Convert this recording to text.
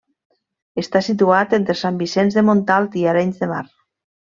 Està situat entre Sant Vicenç de Montalt i Arenys de Mar.